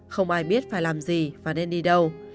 không ai biết phải làm gì và nên đi đâu